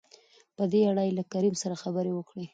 په دې اړه يې له کريم سره خبرې وکړې.